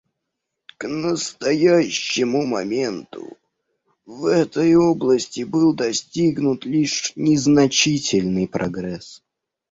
К настоящему моменту в этой области был достигнут лишь незначительный прогресс.